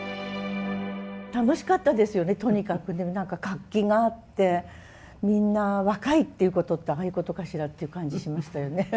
楽しかったですよねとにかく活気があってみんな若いっていうことってああいうことかしらっていう感じしましたよね。